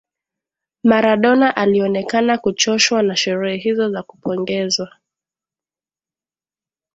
Maradona alionekana kuchoshwa na sherehe hizo za kupongezwa